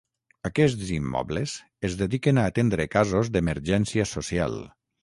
Aquests immobles es destinen a atendre casos d’emergència social.